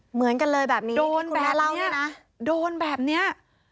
เหมือนกันเลยแบบนี้โดนแบบนี้โดนแบบนี้